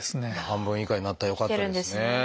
半分以下になったよかったですね。